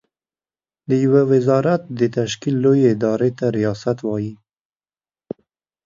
د يوه وزارت د تشکيل لويې ادارې ته ریاست وايې.